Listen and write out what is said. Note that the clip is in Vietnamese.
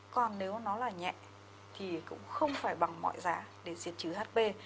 còn nếu nó là nhẹ thì cũng không phải bằng mọi giá để diệt trừ hp